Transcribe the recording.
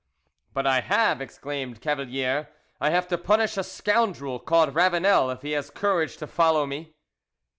"But I have," exclaimed Cavalier. "I have to punish a scoundrel called Ravanel, if he has courage to follow me."